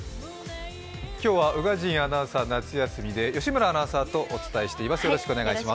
今日は宇賀神アナウンサーが夏休みで吉村アナウンサーとお伝えしています。